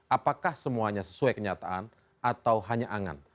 apakah semuanya sesuai kenyataan atau hanya angan